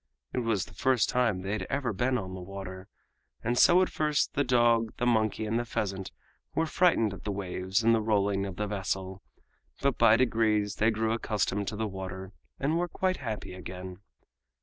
It was the first time they had ever been on the water, and so at first the dog, the monkey and the pheasant were frightened at the waves and the rolling of the vessel, but by degrees they grew accustomed to the water and were quite happy again.